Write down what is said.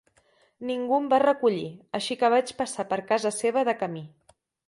Ningú em va recollir, així que vaig passar per casa seva de camí.